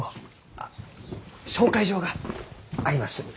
あっ紹介状があります。